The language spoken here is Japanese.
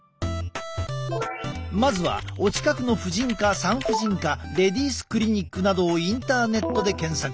まずはお近くの婦人科産婦人科レディースクリニックなどをインターネットで検索。